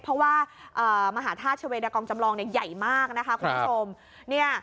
เพราะว่าเอ่อมหาทาชเวรกองจำลองเนี้ยใหญ่มากนะคะคุณผู้ชมเนี้ย